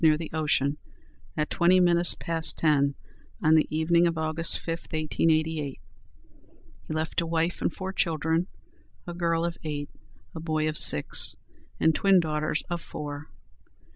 near the ocean, at twenty minutes past ten on the evening of August 5, 1888. He left a wife and four children, a girl of eight, a boy of six, and twin daughters of four.